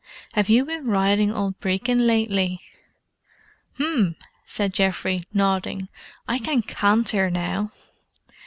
"Have you been riding old Brecon lately?" "'M!" said Geoffrey, nodding. "I can canter now!"